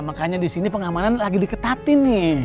makanya di sini pengamanan lagi diketatin nih